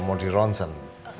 mau di rongen